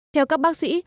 theo các bác sĩ